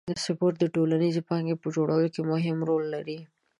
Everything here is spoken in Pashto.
سپورت د ټولنیزې پانګې په جوړولو کې مهم رول لري.